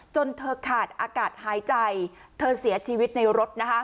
จนเธอขาดอากาศหายใจเธอเสียชีวิตในรถ